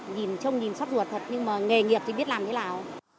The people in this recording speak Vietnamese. nhìn trông nhìn sót ruột thật nhưng mà nghề nghiệp thì biết làm thế nào